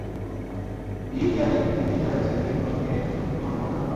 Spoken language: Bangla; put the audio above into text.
ইটিআইএন নিতে এনবিআরের ওয়েবসাইটে গিয়ে পুরোনো টিআইএনের বিপরীতে পুনর্নিবন্ধন নিতে হয়।